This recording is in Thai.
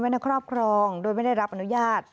ในครอบครองโดยไม่ได้รับอนุญาต